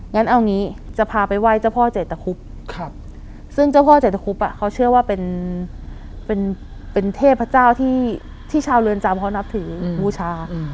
งั้นเอางี้จะพาไปไหว้เจ้าพ่อเจตคุบซึ่งเจ้าพ่อเจตคุบเขาเชื่อว่าเป็นเทพเจ้าที่ชาวเรือนจำเขานับถือบูชา